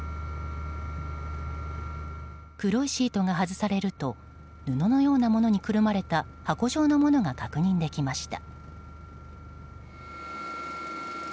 黒いシートが外されると布のようなものにくるまれた箱状のものが確認できました。